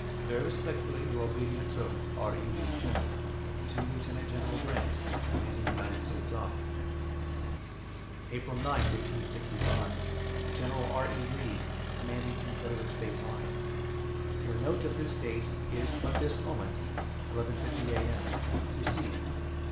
Very respectfully, Your obedient servant, R. E. LEE, General. To Lieutenant General Grant, Commanding United States Army. APRIL 9th, 1865. Gen. R. E. Lee, Commanding Confederate States Army: Your note of this date is but this moment, 11.50 a. m., received.